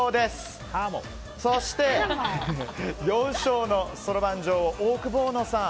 そして、４勝のそろばん女王オオクボーノさん。